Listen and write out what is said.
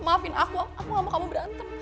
maafin aku aku gak mau kamu berantem